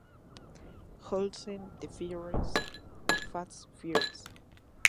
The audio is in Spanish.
Olsen, de "ferries" a "fast ferries".